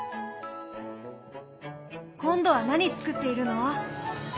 今度は何作っているの？